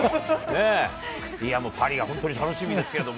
いや、もうパリが本当に楽しみですけれども。